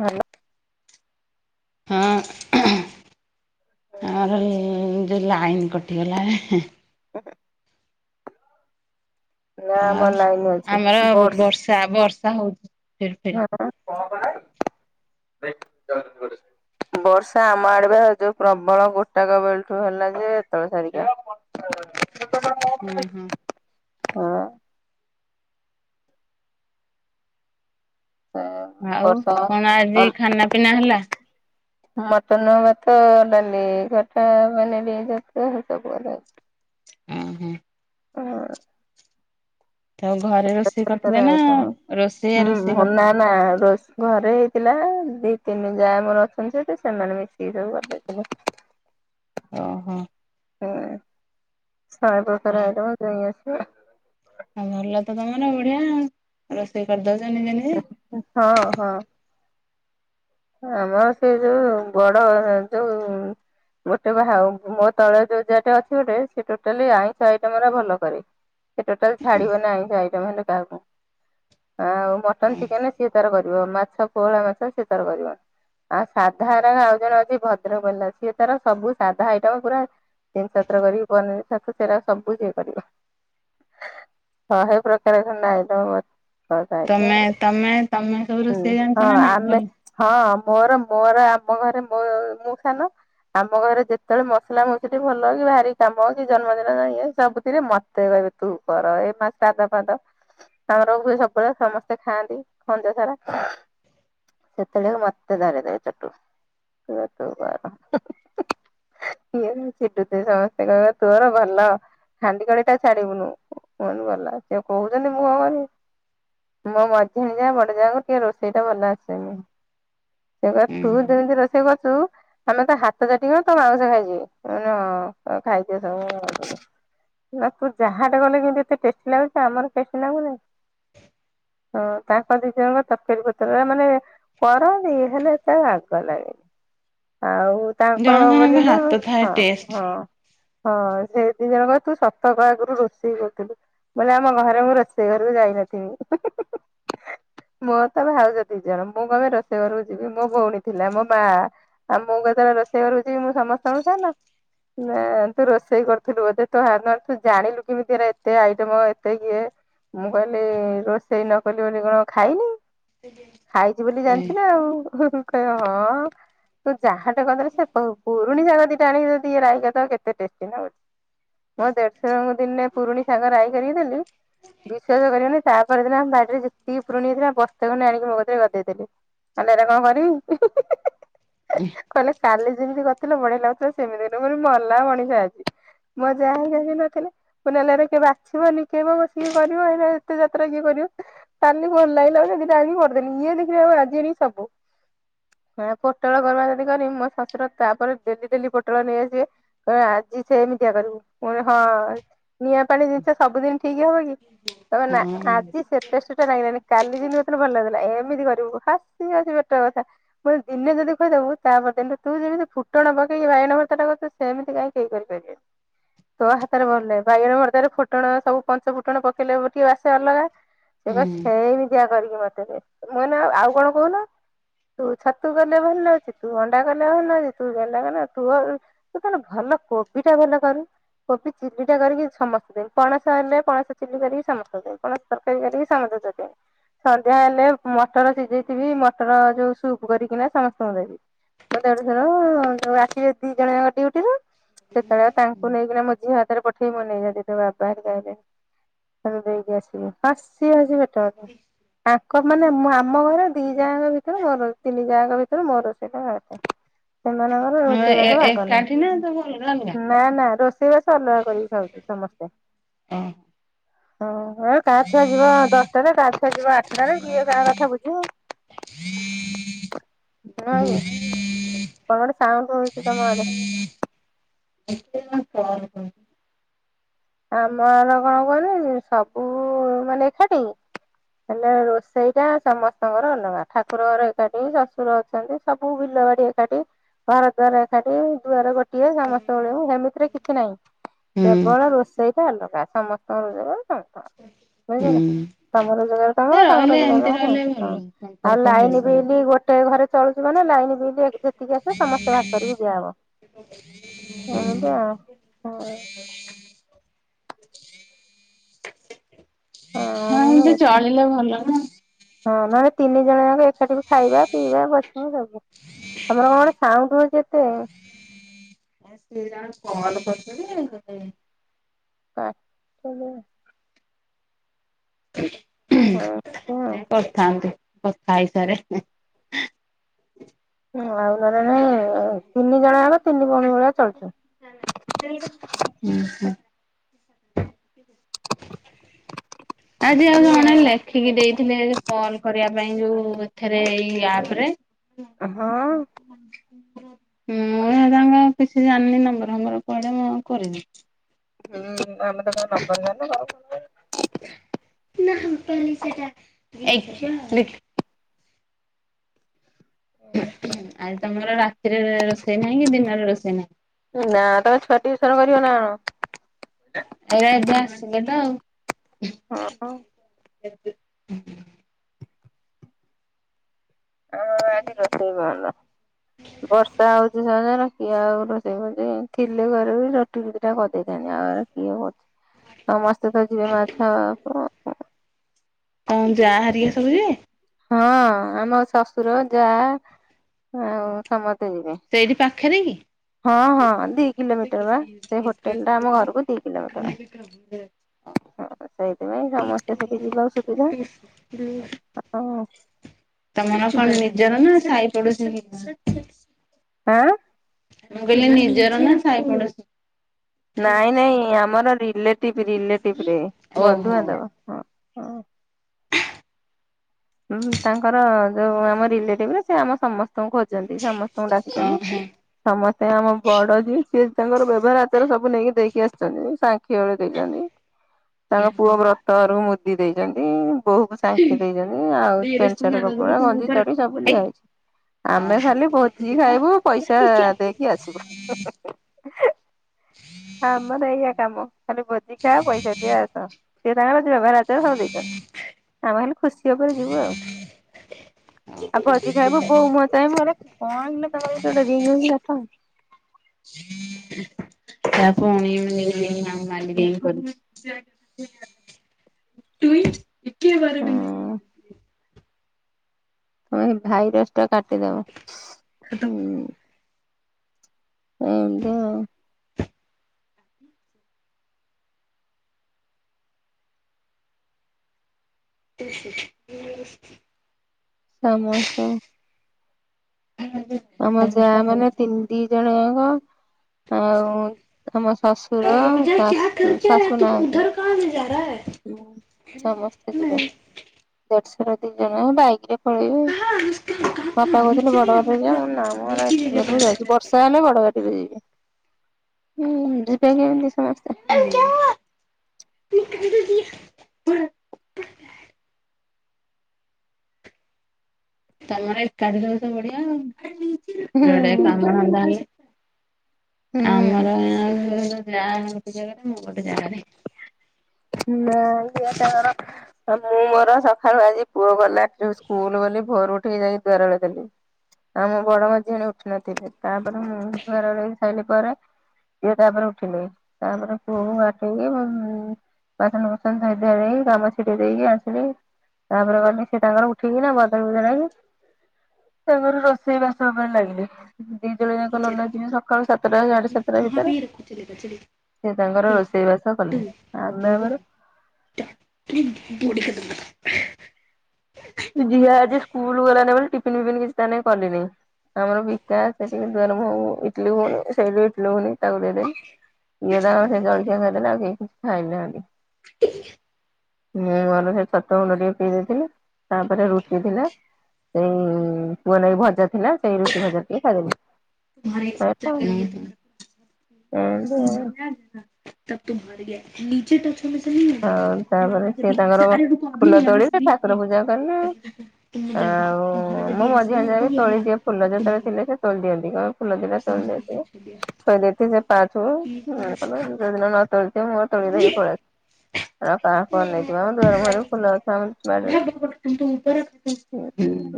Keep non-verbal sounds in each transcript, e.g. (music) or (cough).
Hello. ହଁ hello ଆମର ଯୋଉ ଲାଇନ୍ କଟିଗଲା। ନାଁ ଆମର ଲାଇନି ଅଛି। ବର୍ଷା ତା ବର୍ଷା ହୋଉଚି ଫିର ହଁ। (unintelligible) ବର୍ଷା ଆମ ଆଡେ ବା ଯୋଉ ପ୍ରବଳ ଗୋଟାକ ବେଳଠୁ ହେଲା ଯେ ଏତୋଳ ସାରିକା। ହୁଁ ହୁଁ। ହଁ। ଆଉ ବର୍ଷା କଣ ଆଜି ଖାନା ପିନା ହେଲା? ମଟନ, ଭାତ, ଡାଲି, ଖଟା, ପନିର, ଛତୁ ସବୁ କଥା ହେଇଚି। ଉଁ ହୁଁ। (unintelligible) ତାଙ୍କ ଘରେ ରୋଷେଇ କେତେ କରିଥିଲେ ପ୍ରକାର ନା ଆଇଟମ? ରୋଷେଇଆ ରୋଷେଇ ହୁଁ ନା କରିଥିଲା? ନା ରୋଷ ଘରେ ହେଇଥିଲା ଦି ତିନି ଯା ଆମର ଅଛନ୍ତି ସେଠି ସେମାନେ ମିଶିକି ସବୁ କରିଦେଇଥିଲେ। ଓହୋ ହଁ ଶହେ ପ୍ରକାର ଆଇଟମ (unintelligible) ହଁ ଭଲ ତ ତମର ବଢିଆ ରୋଷେଇ କରିଦୋଉଚ ନିଜେ ନିଜେ ହଁ ହଁ। ଆମର ସେ ଯୋଉ ବଡ ଯୋଉ ଗୋଟେ ବାହା ହବ। ମୋ ତଳେ ଯୋଉ ଯାଆଟେ ଅଛି ଗୋଟେ ସେ ଟୋଟାଲି ଆଇଁଷ ଆଇଟମ ଓରା ଭଲ କରେ। ସେ ଟୋଟାଲେ ଛାଡିବ ନାଇଁ ହେଲେ କାହାକୁ। ଆଉ ମଟନ ଚିକେନ ସିଏ ତାର କରିବ ମାଛ ପୋହଳା ମାଛ ସିଏ ତାର କରିବ। ଆଉ ସାଧାର ଆଉ ଜଣେ ଅଛି ଭଦ୍ରକ ବାଲା ସିଏ ତାର ସବୁ ସାଧା ଆଇଟମ ପୁରା ଛିନ୍ ଛତ୍ର କରିକି ପନିର, ଛତୁ ସେରା ସବୁ ସିଏ କରିବ। ଶହେ ପ୍ରକାର ଖଣ୍ଡେ ଆଇଟମ ଅ କଥା ହେଇଥିଲା ତମେ ତମେ ତମେ ସବୁ ହୁଁ ରୋଷେଇ ଜାଣିଛ ହଁ ନା ନାଇଁ ଆମେ ଭଲ? ହଁ ମୋର ମୋର ଆମ ଘରେ ମୋ ମୁଁ ସାନ। ଆମ ଘରେ ଯେତେବେଳେ ମସଲା ମସଲି ଭଲ କି ଭାରି କାମ କି ଜନ୍ମଦିନ ନା ଇଏ ସବୁଥିରେ ମ ତେ କହିବେ ତୁ କର ଏଇ ମା ସ୍ରାଧା ଫ୍ରାଧ ଆମର ହ‌ଏ ସବୁବେଳେ ସମସ୍ତେ ଖାଆନ୍ତି ଖଂଜା ସାରା। ସେତେବେଳିଆକୁ ମତେ ଧରେଇ ଦେବ ଚଟୁୁ କହିବେ ତୁ କର। ଇଏ ଖାଲି ଚିଡୁଥିବେ। ସମସ୍ତେ କହିବେ ତୋର ଭଲ ହାଣ୍ଡି କଡେଇ ଟା ଛାଡିବୁନୁ। କୁହନ୍ତୁ ଗଲା ସିଏ କୋହୁଚନ୍ତି ମୁଁ କଣ କରିବି। ମୋ ମଝିଆଣି ଯା ବଡ ଯାକୁ ଟିକେ ରୋଷେଇ ଟା ଟିକେ ଭଲ ଆସେ (inaudible) ସିଏ କହିବେ ଉଁ ତୁ ହୁଁ। ଯେମିତି ରୋଷେଇ କରୁଚୁ ଆମେ ତୋ ହାତ ଚାଟିକି ତୋ ମାଉଁସ ଖାଇ ଜିବେ। ମୁଁ କହିଲି ହଁ ଖାଇଦିଅ ସବୁ (unintelligible) ନା ତୁ ଯାହାଟେ କଲେ କେମିତି ଏତେ ଟେଷ୍ଟି ଲାଗୁଚି। ଆମର ଟେଷ୍ଟି ଲାଗୁନାହିଁ। ହଁ ତାଙ୍କ ଦିଇ ଜଣଙ୍କ ତରକାରୀ ପତର ରା ମାନେ କରନ୍ତି ହେଲେ ଏତେ ବାଗ ଲାଗେନି। ଆଉ ତାଙ୍କ ଜଣ ଜଣଙ୍କ ବୋଲିବ ହାତ ହଁ ଥାଏ ଟେଷ୍ଟ। ହଁ। ହଁ ସେଇ ଦି ଜଣ କହିବେ ତୁ ଶତ କହ ଆଗରୁ ରୋଷେଇ କରୁଥୁଲୁ। ମାନେ ଆମ ଘରେ ମୁଁ ରୋଷେଇ ଘରକୁ ଯାଇନଥିମି। ମୋ ତ ଭାଉଜ ଦିଇ ଜଣ। ମୁଁ କଣ ପାଇଁ ରୋଷେଇ ଘରକୁ ଯିବି ମୋ ଭଉଣୀ ଥିଲା ମୋ ମା ଆଉ ମୁଁ କେତେବେଳେ ରୋଷେଇ ଘରକୁ ଜିବି ମୁଁ ସମସ୍ତଙ୍କଠୁ ସାନ। ନା ତୁ ରୋଷେଇ କରିୁଥୁଲୁ ବୋଧେ ତୋ ହାତ ତୁ ଜାଣିଲୁ କେମିତି ଏରା ଏତେ ଆଇଟମ ଏତେ କିଏ ମୁଁ କହିଲି ରୋଷେଇ ନକଲି ବୋଲି କଣ ଖାଇନି। ଖାଇଛି ବୋଲି ଜାଣିଛି ନା ଆଉ କହ ହଁ। ତୁ ଯାହାଟେ କରିଦେ ସେ ପୁରୁଣୀ ଜାକ ଦିଟା ଆଣିକି ଯି ରାଇଗ କେତେ ଟେଷ୍ଟି ନଛି ମୋ ଦେଢଶହଙ୍କ ଦିନେ ପୁରୁଣି ସାଗ୍ ରାଇ କରିକି ଦେଲି ବିଶ୍ୱାସ କରିବନି ତାରେ ଦିନମ ବାଡିରେ ଯେତିକି ପୁରୁଣି ହେଥିଲା ଆ ବସ୍ତତା ଖ ଆଣିକି ମଗରେ ଗଦେଇଦଥିଲଲି। କଲେରେ କଣ କରିବି। କହିଲେ କାଲି ଯେମିତି କଥିଲ ମଣି ଲ କଥିଲା ସେମିତି କ ମ ମଲା ମଣିଷା ଆଜି। ମୋ ଯା ଘାରିକ କେହି ନଥିଲେ। ମ ନେଲେ କେବେ ବାଛିବନି କେବ ସଏ କରିବ ହେ ଏତେ ଯାତ୍ରା କିଏ କରିବ। ତାଲି ଲାଗିଲା ସେଥି ଆଗିକି କରିଦେଲି ଇଏ ଦେଖିଲା ବେଲକୁ ଆଜି ସବୁ। ପୋଟଳ ଗରମା ଯିନି ମୋ ଶଶୁର ତାପରେ ଡେଲି ଡେଲି ପୋଟଳ ନେଇଆସିବେ। କଣ ଆଜି ସେ ଏମିତିଆ କରିବୁ ହଁ ନିଆଁ ପାଣି ଜିନିଷ ସବୁଦିନ ଠିକ ହବ କି। ତମ ନା ହଁ ଆଜି ସେ ଟେଷ୍ଟ ଟା ଲାଗିଲଣିି କାଲି ଯେମିତି କତେ ଭଲ ଲାଗଥିଲା ଏମିତି କରିବୁ ହ। ବେଟ କଥା ମୁ ଦଇନେ ଯଦି ପ କହିେଇଦବୁ ତାପଦନ୍ତୁ ତୁ ଯେମିତି ଫୁଟଣ ପକେଇକିାଇଣ ଭର୍ତାଟା କରୁ ସେମିତି କାଇହିଁ କେହି କରିପାରିବେନି। ହ (inaudible) ତୋ ହାତରେ ଭଲ ବାଇଗଣ ଭର୍ତ୍ତାରେ ଫୁଟଣ ସବୁ ପଞ୍ଚ ଫୁଟଣ ପକେଇଲେ ଟିକେ ଆସେ ଅଲଗା। ସେ କ ହୁଁ। ସେମି ଯଆ କରିକି ମତେ ମ ନା ଆଉ କଣ କହୁନ। ତୁ ଛତୁ ଗଲେ ଭଲ ତୁ ଅଣ୍ଡା କଲେ ଭ ତୁ ତୁୁ କେ ଭଲ କୋବି ଟା ଭଲ କରୁ। କୋବି ଚିଲଲି ଟା କରିକି ସମସ୍ତେ ଦେ ପଣସ ହେଲେ ପଣସ ଚିଲି କରିକି ସମସ୍ତେ ଦେ। ତରକାରୀ କରିକି ସମସ୍ତେ ଦେ। ସନ୍ଧ୍ୟା ହେଲେ ମଟର ସିଝେଇଥିବି ମଟର ଯୋଉ ସୁପ୍ କରିକିନା ସମସ୍ତେ ଣ ଦେବି ମତେଠ ର ଆସିବେ ଦି ଜଣଙ୍କ ଡଉଟିରୁ। ସେତେବେଳେ ଆ ତାଙ୍କୁ ନେଇକି ମୋଝିଅ ହାତରେ ପ ଏଠେଇ ମୁ ନେଇେଇ ଯଛନ୍ତି ତୋ ବାବା ଗାଇବେ ତାୁ ଦେଇକି ଆସିବି ହସି ହସି ତାଙ୍କ ମାନେ ମୁଁ ଆମ ଘରେ ଦି ଯାଙ୍କ ଭିତରେ ମୋର ତିନି ଯାଙ୍କ ଭିତରେ ମୋ ରୋଷେଇଟ ଘଟେ ସେମାନଙ୍କର ହଁ ଏ ରୋଷେଇବାସ ଭାଗ ନାହିଁ। ଏକାଠି (unintelligible) ନା ନା ରୋଷେଇ ବାସ ଅଲଗା କରିକି ଖାଉଛୁ ସମସ୍ତେ। ଓ ହଁ କାହା ଛୁଆ ଯିବ ଦଶଟାରେ କାହା ଛୁଆ ଯିବ ଆଠଟାରେ କିଏ କାହା କଥା ବୁଝିବ। ନୁହେଁ କି? (inaudible) କଣ ଗୋଟେ ସାଙ୍ଗ ରହୁଛି ତମ ଆଡେ। (inaudible) ଆମର କଣ କହନି ସବୁ ମାନେ ଏକାଠି। ହେଲେ ରୋଷେଇ ଟା ସମସ୍ତଙ୍କର ଅଲଗା ଠାକୁର ଘର ଏକାଠି ଶଶୁର ଅଛନ୍ତି। ସବୁ ବିଲ ବାଡି ଏକାଠି ଘର ଦ୍ୱାର ଏକାଠି ଦୁଆର ଗୋ ଇଏ ସମସ୍ତେ ପଳେଇମୁ ସେମିତିରେ କିଛି ନାହିଁ। ହୁଁ କେବଳ ରୋଷେଇ ସେଇଟା ଅଲଗା ସମସ୍ତଙ୍କ ରୋଜଗାର ସମସ୍ତଙ୍କର। ବୁଝିଲ ହୁଁ ତମ ରୋଜଗାର ହେ ତମର ତାଙ୍କ ରହିଲେ ରୋଜଗାର ଏମିତି ରହିଲେ ଭଲ ତାଙ୍କର ନୁହଁ ଆଉ ଲାଇନ ସମ୍ପର୍କ ବିଲ୍ ଗୋଟେ ଘରେ ଚଳୁଚୁ ମାନେ ଲାଇନ୍ ବିଲ ଏ ଯେତିକି ଆସିବ ସମସ୍ତେ ଭାଗ କରିକି ଦିଆହବ ଏମିତି ଆଉ। ହ (inaudible) (inaudible) ହ ଏମିତି ହଁ ଚଳିଲେ ଭଲ ନା। ହଁ ନହେଲେ ତିନି ଜଣ ଯାକ ଏକାଠି ବି ଖାଇବା ପିଇବା ବସିବା ସବୁ। ତମର କଣ ଗୋଟେ ସାଉଣ୍ଡ ହଉଛି ଏତେ। କିଏ ଜଣେ କଲ୍ କରିଚି ଯେ ସେ ଟି କାଟ ଦେ। ଏ କରୁଥାନ୍ତୂ କଥା ହେଇସାରେ। ହଁ ଆଉ ନହେଲେ ନାଇଁ, ତିନି ଜଣ ଯାକ ତିନି ଭଉଣୀ ଭଳିଆ ଚଳୁଛ। ଓ ହ। ଆଜି ଆଉ କଣ ହେଲେ? ରଖିକି ଦେଇଥିଲେ କଲ କରିବା ପାଇଁ, ଯୋଉ ଏଥିରେ ଏଇ ଆପ ରେ। ହଅଁ (unintelligible) ମୁଁ ହେରାଙ୍କ କିଛି ଜାଣିନି ନମ୍ୱର୍ ଫମ୍ବର କୁଆଡେ ମୁଁ ଆଉ କରିନି। ହୁଁ ଆମେ ତ କା ନମ୍ବର ଜାଣିନୁ କାହାକୁ କରିମୁ ନାଲ୍ ଟୋପି ସେଟା ଏଇ ଆରେ ତମର ରାତିରେ ରୋଷେଇ ନାହିଁ କି, ଦିନରେ ରୋଷେଇ ନାହିଁ। ନା ତମେ ଛୁଆ ଟିଉସନ କରିବ ନା କଣ। ଏଇରା ଏବେ ଆସିଲେ ତ ଆଉ। ହଁ ହଁ ଆଜି ରୋଷେଇ ବନ୍ଦ୍ ବର୍ଷା ହଉଛି ସବୁଦିନ। କିଏ ଆଉ ରୋଷେଇ କରୁଚି? ଥିଲେ ଘରେ ବି ରୁଟି ଫୁଟି ଦିଟା କରିଦେଇଥାନ୍ତିି। ଆଉ କିଏ କରୁଛି? ସମସ୍ତେ ତ ଯିବେ ମାଛ କୁ କ ତମ ଯା ହରିକା ସବୁ ଯିବେ। ହଁ ଆମ ଶଶୁର ଯା ଆଉ ସମସ୍ତେ ଯିବେ। ସେଇଠି ପାଖରେ କି? ହଁ ହଁ ଦି କିଲୋମିଟର ବା ସେ ହୋଟେଲ ଟା ଆମ ଘରକୁ (unintelligible) ହଁ ସେଇଥିପାଇଁ ସମସ୍ତେ ଟିକେ ଯିବାକୁ ସୁବିଧା ହ ତମର କଣ ନିଜର ନା ସାଇ ପଡୁଶି ଆଁ। ମୁଁ କହିଲି ନିଜର ନା ସାଇ ପଡୋଶି? ନାଇଁ ନାଇଁ ଆମର ରିଲେଟିଭ ରିଲେଟିଭରେ ଓହୋ। ବନ୍ଧୁବାନ୍ଧବ। ହଁ ହଁ। ହଁ ତାଙ୍କର ଯୋଉ ଆମ ରିଲେଟିଭ ସେ ଆମ ସମ ସ୍ତଙ୍କୁ ଖୋଜିଛନ୍ତି ସମସ୍ତଙ୍କୁ ଡାକିଛନ୍ତି। ଓହୋ ସମସ୍ତେ ଆମ ବଡ ଯିଏ ସିଏ ତାଙ୍କର ବ୍ୟବହାର ଆଚାର ସବୁ ନେଇକି ଦେଇକି ଆସିଛନ୍ତି। ସାଙ୍ଖି ବେଳେ ଦେଇଛନ୍ତି। (inaudible) ତାଙ୍କ ପୁଅ ବ୍ରତ ଘରକୁ ମୁଦି ଦେଇଛନ୍ତି, ବୋହୂକୁ ସାଙ୍ଖୀ ଦେଇଛନ୍ତି। ଆଉ ପେଣ୍ଟ ସାର୍ଟ କପଡା ଗଞ୍ଜି ଚଡ଼ି ସବୁ ହେଇ ଦିଆ ହେଇଛି। ଆମେ ଓହୋ ଖାଲି ଭୋଜି ଖାଇବୁ, ପଇସା ଦେଇକି ଆସିବୁ। (inaudible) ହଁ ଆମର ଏଇଆ କାମ ଖାଲି ଭୋଜି ଖା ପଇସା ଦିଆ ଆସ। ସିଏ ତାଙ୍କର ଯି ବ୍ୟବହାର ଆଚାର ସବୁ ଦେଇଚନ୍ତି। ଆମେ ଖାଲି ଖୁସି ଓପରେ ଯିବୁ ଆଉ। ଆଉ ଭୋଜି ଖାଇବୁ ବୋଉ ମୁହଁ ଚାହିବୁ। ଏରା କଣ କିଲୋ କାହାର ରିଙ୍ଗ ହୋଉଚିନା କଣ। (inaudible) (unintelligible) ଟୁଇ ଏକେ ବାର ବି ନେଇ ହୁଁ ତମେ ଭାଇରସ ଟା କାଟିଦବ ହୁଁ। ଏମିତି ଆଉ। (inaudible) ସମସ୍ତେ। (inaudible) ଆମ ଯା ଫର୍ଷା ମାନେ ତିନି ହଉଛି। ଦି ଜଣଙ୍କ। ଆଉ ଆମ ଶଶୁର ଶାଶୁ ଶାଶୁ ନାହାନ୍ତି। (unintelligible) ହଁ ସମସ୍ତେ ଯିବେ ଦେଢଶୁର ଦି ଜଣ ବାଇକ ରେ। ପଳେଇବେ, ବାପା କହୁଥିଲେ ବଡବାପା ଯିବେ ନା ମ ଏତିକି ବାଟକୁ ଯାଉଛି ବର୍ଷା ତାହେଲେ ବଡ଼ଗାଡ଼ିରେ ଯିବେ ଯିବେ କେମିତି ସମସ୍ତେ। (unintelligible) ତମର ଏକାଠି ରହୁଛ ବଢିଆ ଆଉ, ହୁଁ ଯୁଆଡେ କାମ ଧନ୍ଦା ହୁଁ ଆମର ଯା ଗୋଟେ ଜାଗାରେ ମୁଁ ଗୋଟେ ଜାଗାରେ। ନାଇଁ ଇଏ ତାଙ୍କର ହ ମୁଁ ମୋର ସଖାଳୁ ଆଜି ପୁଅ ଗଲା ଯୋଉ ସ୍କୁଲ୍ ବୋଲି ଭୋରୁ ଉଠିକି ଯାଇ ଦୁଆର ଓଳେଇ ଦେଲି। ଆମ ବଡ଼ ମଝିଆଣି ଉଠି ନଥିଲେ ତାପରେ ମୁଁ ଘର ଓଳେଇ ସାଇଲି ପରେ ଇଏ ତାପରେ ଉଠିଲେ ତାପରେ ପୁଅକୁ ବାଟେଇକି ମୁଁ ବାସନ କୁସନ ଧୋଇଧୁଆ ଦେଇ କାମ ଛିଡ଼େଇ ଦେଇକି ଆସିଲି। ତାପରେ ଗଲି ସିଏ ତାଙ୍କର ଉଠିକିନା ବଦଳିବୁଦୁଳାକି ସେ ମୋର ରୋଷେଇ ବାସ ଓପରେ ଲାଗିଲି। ଦି ଜଣ ଯାକ ନନା ଯିବେ ସକାଳୁ ସାତଟା ସାଢ଼େ ସାତଟା ଭିତରେ। ଚିଲିକା ଚିଲି ସିଏ ତାଙ୍କର ରୋଷେଇ ବାସ କଲେ। ଦି ଆମେ ଆମର ଜଣ? (inaudible) ଝିଅ ଆଜି ସ୍କୁଲ୍ ଗଲାନେଇ ବୋଲି ଟିପିନି ଫିପିନି କିଛି ତାନାଇ କଲିନେଇ ଆମର ବି ତା ସେଠିକି ଦୁଆର ମୁଁହକୁ ଇଟିଲି ଘୁଘୁନି ସେଇଠୁ ଇଟିଲି ଘୁଘୁନି ତାକୁ ଦେଇଦେନି। ଇଏ ତ ସେଇ ଜଳିଖିଆ ଖାଇଦେଲେ ଆଉ କେହି କିଛି ଖାଇନାହାନ୍ତି। ଆ ଟିହିଗେ ମୁଁ ମୋର ସେ ଛତୁଆ ଗୁଣ୍ଡ ଟିକେ ପିଇ ଦେଇଥିଲି ତାପରେ ରୁଟି ଥିଲା ସେଇ ପୁଅ ନାଗି ଭଜା ଥିଲା ସେଇ ରୁଟି ଭଜା ଟିକେ ଖାଇଦେଲି। ଉଁ ସଇଲା ହୁଁ। ଆଉ ନିଚେ ତ ଅଛୁ ଆମେ ସେ ଏମିତି ଆଉ। ନେହିଁ ହୋଗା ତୁମ୍ ଆଜ୍ ଅଭି ଆଚ୍ଛା ରୁକୋ ଆରେ ଅଭି ହଁ ନେହିଁ ତାପରେ ଅନା ସିଏ ସେ ତାଙ୍କର ବିପ୍ ନେଇଁ ଫୁଲ ହୋରା। ତୋଳିଲେ ଠାକୁର ତୁମ ପୂଜା ଯାଓ କଲେ ବାହାର ତୁମ୍ହାରା ଯବ୍ ବି ଆଉ ଏସା ମୋ ହୋ ମଝିଆ ଯା ତୁମର ବି ତୋଳି ଏନା ଦିଏ ଜବ୍ ଫୁଲ ତୁମ୍ ଯେତେବେଳେ ଥିଲେ ସେ ହାରୋଗେ। ତୋଳି ଦିଅନ୍ତି କଁ ଫୁଲଦିଟା ତୋଳି ଦିଅନ୍ତି ଥୋଇଦେଇଥିଏ ସେ ପାଆଛ ଓ ମୁଁ ଗଲେ ଯୋଉ ଦିନ ନ ତୋଳିଥିବେ ମୁଁ ତୋଳି ଧରି ପଳିଆ ଳ କାହାକୁ କଣ ନେଇଥିବ ଆମ ଦୁଆର ମୁହଁରେ ଫୁଲ ଗଛ ଆମ ବାଡ଼ିରେ। ଏ ଯା ହଉ କିନ୍ତୁ ହଁ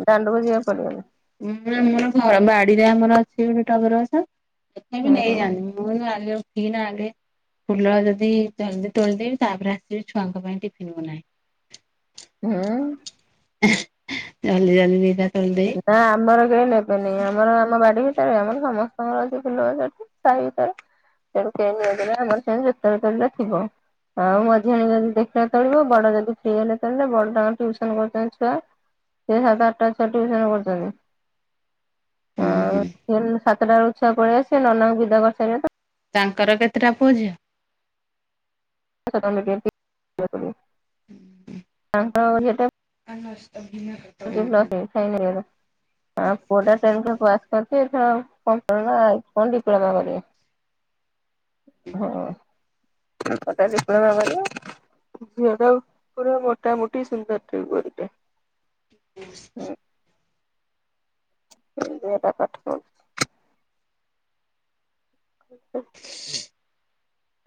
ଦାଣ୍ଡକୁ ଯିବା ପଡିି଼ବନି। ଉଁ ଆମର ଘର ବାଡ଼ିରେ ଆମର ଅଛି ଗୋଟେ ଟଗର ଗଛ ହେଟାବି ନେଇଯାଆନ୍ତି ଉଁ ମୁଁ କହି ରାଲି ଉଠିକିନା ଆଗେ ଫୁଲ ଅଜ ଦେଇ ଜଲ୍ଦୀ ତୋଳିଦେବି ତାପରେ ଆସିବି ଛୁଆଙ୍କ ପାଇଁ ଟିଫିନ୍ ବନାଏ। ହୁଁ? ଜଲ୍ଦୀ ଜଲ୍ଦୀ ଦିଟା ତୋଳି ଦେଇ ନାଁ ଆମର କେହି ନେବେନେଇ ଆମର ହେଲା ବାଡ଼ି ଏରେ ଆମର ସମସ୍ତଙ୍କର ଅଛି ଫୁଲ ଗଛ ଏଠି ସାଇ ଭିତରେ। ତେଣୁ କେହି ନିଅନ୍ତିନେଇ ଆମର ସେଁ ଯେତୋଳେ ତୋଳିଲେ ଥିବ। ଆଉ ମଝିଆଣି ଯଦି ଦେଖିଲା ତୋଳିବ ବଡ଼ ଯଦି ଫ୍ରୀ ହେଲେ ତୋଳିଲେ ବଡ଼ଟା ଅ ଟିଉସନ୍ କରୁଚନ୍ତି ଛୁଆ। ଏ ସାତ ଆଟଟା ଛୁଆ ଟିଉସନ୍ କରୁଚନ୍ତି। ଉଁ ହୁଁ। ଏନ୍ ସାତଟା ଅଳୁ ଛୁଆ ପଳିଆସିବେ ନନାଙ୍କୁ ବିଦା କରିସାରିବେ ତ ତାଙ୍କର କେତେଟା ପୁଅ ଝିଅ? ଏଖ ତମେ କେନ୍ତି ଇଅ ସବୁ। ହୁଁ। ହଁ ଯେତ ଆନସ୍ତ ଭିନକ ଉଁ ଚେ ପ୍ଲାସ୍ ତାକୁ ଖାଇଗଲେଣି। ହଁ ପୁଅଟା ଟେନ୍ଥ ପାସ୍ କରିଚି ଏଥର କଁ କଇଲା କଁ ଡିପ୍ଲୋମା କରିବ। (unintelligible) ହଁ ଅ ତା ଡିପ୍ଲୋମା କରିବ। ଝିଅଟା ପୁରା ମୋଟା ମୋଟି ସୁନ୍ଦରଟେ ଗୋରୀଟେ। ଟୁପସ୍ ଉଁ ଝିଅଟା ପାଠ ପଢ଼୍ ଉଁ ହୁଁ। ହୁଁ।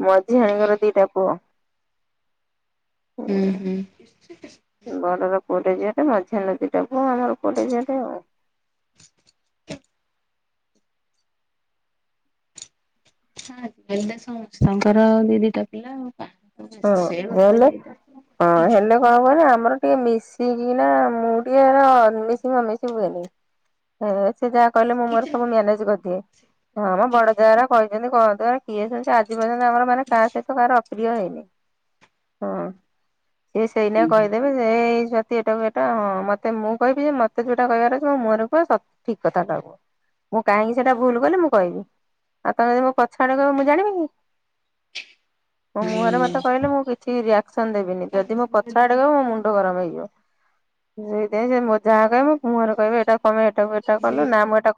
ମଝିଆଣି ଙ୍କର ଦିଟା ପୁଅ। ହୁଁ, ହୁଁ। ବଡ଼ର ପୁଅଟେ, ଝିଅଟେ ମଝିଆଣୀର ଦିଟା ପୁଅ ଆଉ ଆମର ପୁଅଟେ, ଝଅଟେ ଆଉ। ଆଜି କାଲି ତ ସମସ୍ତଙ୍କର ଦି ଦିଟା ପିଲା ଆଉ। ସେ ଗୋଟେ ହଁହେଲେ ଦିଟା ହଁ ହ୍ୟାଲୋ। କଣ କୁହନି ଆମର ଟିକେ ମିଶିକି ନା ମୁଁ ଟିକେ ଅମିିଶ ଫମିଶି ହୁଏନି। ହେ ସେ ଯାହା କହିଲେ ମୁଁ ମୋର ସବୁ ମ୍ୟାନେଜ କରିଦିଏ। ହଁ ମ ବଡ଼ ଯା ଗୁରା କହିଚନ୍ତି କୁହନ୍ତୁ ଏରା କିଏ ଶୁଣୁଚି ଆଜି ପର୍ଯ୍ୟନ୍ତ ଆମର ମାନେ କାହା ସହିତ କାହାର ଅ ପ୍ରିୟ ହେଇନି ହଁ ସିଏ ସେଇନା କହିଦେବେ। ସେ ଯଦି ଏଟାକୁ ଏଟା ହଁ ମତେ ମୁଁ କହିବି ଯେ ମତେ ଯୋଉଟା କହିବାର ଅଛି ମୋ ମୁହଁରେ କହେ ସତ ଠିକ କଥା କା କୁ। ମୁଁ କାହିଁକି ସେଇଟା ଭୁଲ କଲି ମୁଁ କହିବି ଆଉ ତମେ ଯଦି ମୋ ପଛଆଡ଼େ କହିବ ମୁଁ ଜାଣିବି କି? ହୁଁ। ମୋ ମୁଁହରେ ମତେ କହିଲେ ମୁଁ କିଛି ରିଆକ୍ସନ ଦେବିନି ଯଦି ମୁଁ ପଛଆଡ଼େ କହିବ ମୋ ମୁଣ୍ଡ ଗରମ ହେଇଯିବ ସେଇଥିପାଇଁ ସେ ମତେ ଯାହା କହିବ ମୁହଁରେ କହିବେ ଏଇଟା କଣ ପାଇଁ ଏ ହେଟା କୁ ଇଟା କଲୁ ନା ମୁଁ ଇଟା କର